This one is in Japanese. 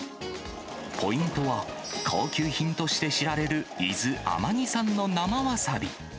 ポイントは、高級品として知られる、伊豆・天城産の生わさび。